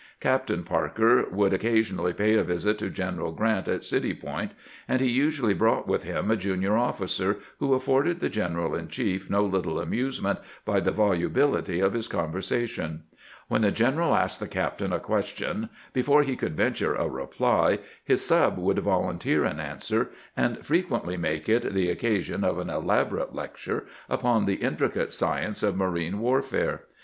Captain Parker would occasionally pay a visit to General Grant at City Point, and he usually brought with him a junior ofi&cer who afforded the gen eral in chief no little amusement by the volubihty of his conversation. When the general asked the captain a question, before he could venture a reply his sub would volunteer an answer, and frequently make it the occa sion of an elaborate lecture upon the intricate science of marine warfare.